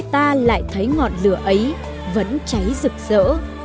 thấy ngọn lửa ấy vẫn cháy rực rỡ